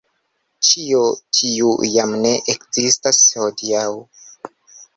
Ĉio tiu jam ne ekzistas hodiaŭ.